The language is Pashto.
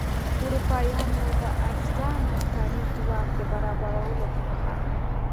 اروپایانو د ارزانه کاري ځواک د برابرولو په موخه.